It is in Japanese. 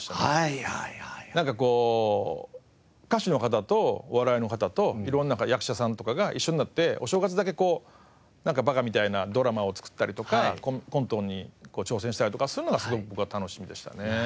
なんか歌手の方とお笑いの方と色んな役者さんとかが一緒になってお正月だけバカみたいなドラマを作ったりとかコントに挑戦したりとかそういうのがすごく僕は楽しみでしたね。